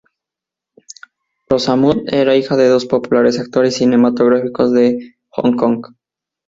Rosamund era hija de dos populares actores cinematográficos de Hong Kong.